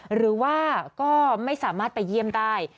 หรือว่าก็ไม่สามารถไปเยี่ยมได้